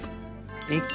駅。